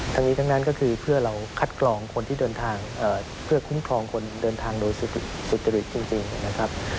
ทั้งนี้ทั้งนั้นก็คือเพื่อเราคัดกรองคนที่เดินทางเพื่อคุ้มครองคนเดินทางโดยสุจริตจริงนะครับ